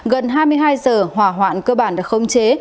gần hai mươi hai giờ hỏa hoạn cơ bản được không chế